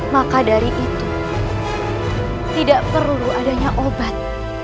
maka dari itu tidak perlu adanya obat